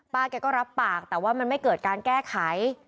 แกก็รับปากแต่ว่ามันไม่เกิดการแก้ไข